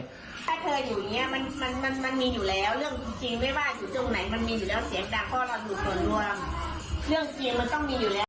ถ้าเธออยู่อย่างนี้มันมีอยู่แล้วเรื่องจริงไม่ว่าอยู่ตรงไหนมันมีอยู่แล้ว